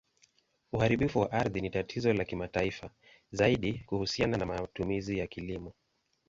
Uharibifu wa ardhi ni tatizo la kimataifa, zaidi kuhusiana na matumizi ya kilimo.